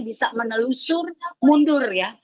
bisa menelusur mundur ya